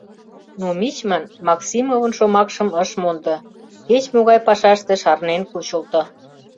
Но мичман Максимовын шомакшым ыш мондо, кеч-могай пашаште шарнен кучылто.